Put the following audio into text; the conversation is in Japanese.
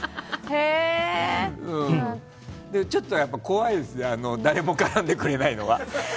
ちょっと怖いです誰も絡んでくれないのは。